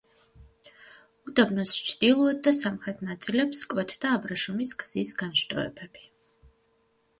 უდაბნოს ჩრდილოეთ და სამხრეთ ნაწილებს კვეთდა აბრეშუმის გზის განშტოებები.